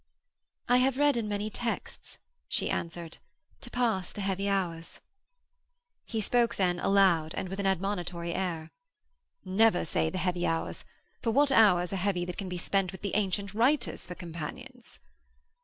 'I have read in many texts,' she answered, 'to pass the heavy hours.' He spoke then, aloud and with an admonitory air: 'Never say the heavy hours for what hours are heavy that can be spent with the ancient writers for companions?'